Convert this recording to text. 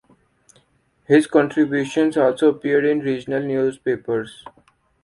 His contributions also appeared in the regional newspapers.